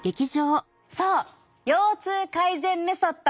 そう腰痛改善メソッド